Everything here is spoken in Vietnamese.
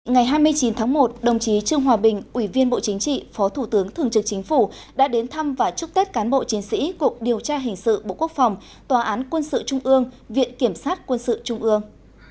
ngày hai mươi chín tháng một đồng chí trương hòa bình ủy viên bộ chính trị phó thủ tướng thường trực chính phủ đã đến thăm và chúc tết cán bộ chiến sĩ cục điều tra hình sự bộ quốc phòng tòa án quân sự trung ương viện kiểm sát quân sự trung ương